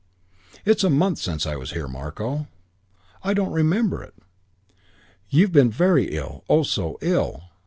"It's a month since I was here, Marko." "I don't remember it." "You've been very ill; oh, so ill."